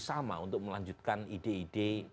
sama untuk melanjutkan ide ide